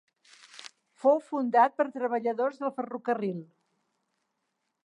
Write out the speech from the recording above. Fou fundat per treballadors del ferrocarril.